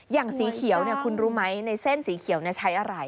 อย่างสีเขียวเนี่ยคุณรู้ไหมในเส้นสีเขียวเนี่ยใช้อะไร